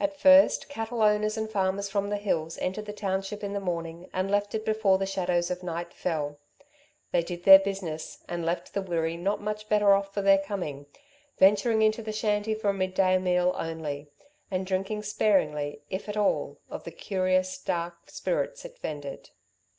At first, cattle owners and farmers from the hills entered the township in the morning and left it before the shadows of night fell. They did their business, and left the Wirree not much better off for their coming, venturing into the shanty for a midday meal only, and drinking sparingly, if at all, of the curious, dark spirits it vended.